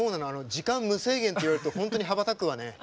時間無制限って言われると本当に羽ばたくわね。